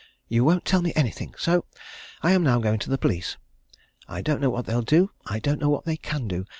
"You won't tell me anything! So I am now going to the police. I don't know what they'll do. I don't know what they can do.